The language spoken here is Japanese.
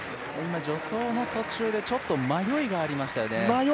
助走の途中で迷いがありましたよね。